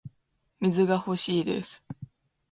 水が欲しいです